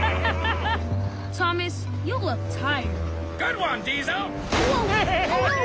ハハハハッ！